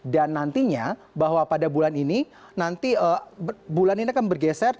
dan nantinya bahwa pada bulan ini nanti bulan ini akan bergeser